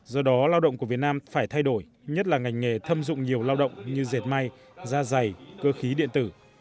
do đó lao động của việt nam phải thay đổi nhất là ngành nghề thâm dụng nhiều lao động như dệt may da dày cơ khí điện tử